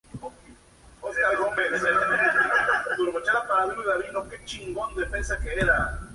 Se cuenta con la presentación de grupos musicales de la región, folcloristas y orquestas.